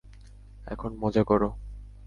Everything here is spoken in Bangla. এখন মজা কর।